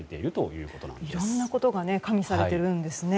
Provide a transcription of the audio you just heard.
いろんなことが加味されているんですね。